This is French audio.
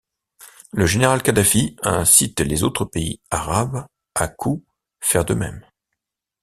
Le général Khadafi incite les autres pays arabes à-coups faire de même.